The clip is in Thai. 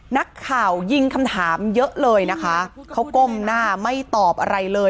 นักข่าวยิงคำถามเยอะเลยนะคะเขาก้มหน้าไม่ตอบอะไรเลย